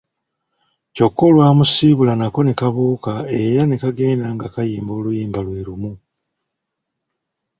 Kyokka olwamusiibula nako ne kabuuka era ne kagenda nga kayimba oluyimba lwe lumu.